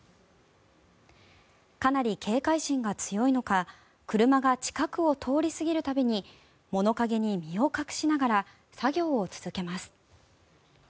かなり警戒心が強いのか車が近くを通り過ぎる度に物陰に身を隠しながら作業を続けます。